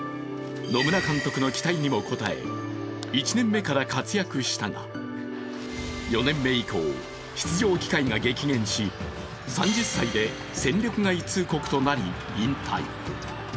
野村監督の期待にも応え１年目から活躍したが４年目以降、出場機会が激減し３０歳で戦力外通告となり、引退。